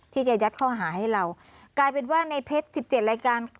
ที่จะยัดข้อหาให้เรากลายเป็นว่าในเพชร๑๗รายการ